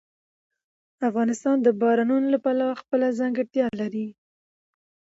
افغانستان د بارانونو له پلوه خپله ځانګړتیا لري.